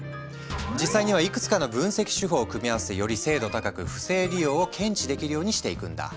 実際にはいくつかの分析手法を組み合わせてより精度高く不正利用を検知できるようにしていくんだ。